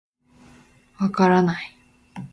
分からない